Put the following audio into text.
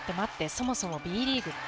そもそもＢリーグって？